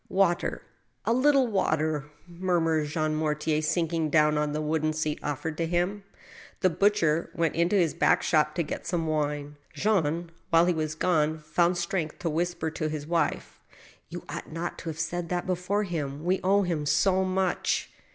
" Water — a little water !" murmured Jean Mortier, sinking down on the wooden seat offered to him. The butcher went into his back shop to get some wine. Jean, while he was gone, found strength to whisper to his wife :" You ought not to have said that before him, ... we owe him CO much